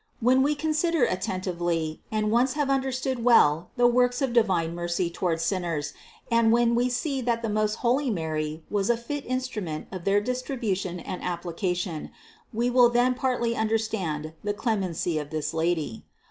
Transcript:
When we consider attentively and once have understood well the works of the divine mercy toward sinners and when 456 CITY OF GOD we see that the most holy Mary was a fit instrument of their distribution and application, we will then partly un derstand the clemency of this Lady.